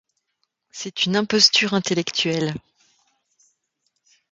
C'est une imposture intellectuelle.